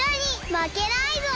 まけないぞ！